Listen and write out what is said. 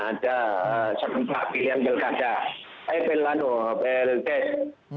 ada sekempak yang jelgah jelgah